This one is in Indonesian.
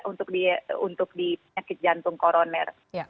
untuk penyakit jantung koroner